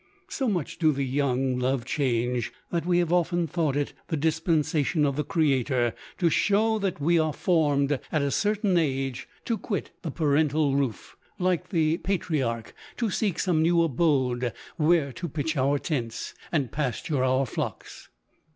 So much do the young love change, that we have often thought it the dispensation of the Creator, to show that we are LODORE. 209 formed, at a certain age, to quit the parental roof, like the patriarch, to seek some new abode where to pitch our tents, and pasture our flocks.